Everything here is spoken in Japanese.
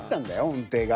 音程が。